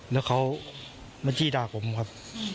แล้วเขามาจี้ด่าผมครับ